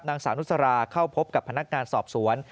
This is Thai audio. นางสาวนุสราเข้าพบกับพนักงานสอบสวน